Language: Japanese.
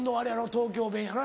東京弁やろ。